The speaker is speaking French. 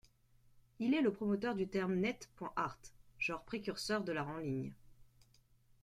Il est le promoteur du terme Net.art, genre précurseur de l'Art en ligne.